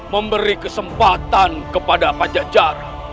memberi kesempatan kepada pajajara